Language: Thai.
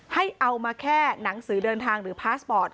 ให้เอามาแค่หนังสือเดินทางหรือพาสปอร์ต